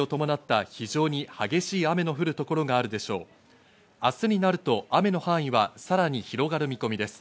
明日になると雨の範囲はさらに広がる見込みです。